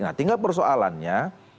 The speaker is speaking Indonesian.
nah tinggal persoalannya